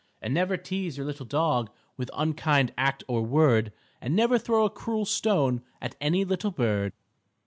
_ _And never tease your little dog, With unkind act or word, And never throw a cruel stone At any little bird.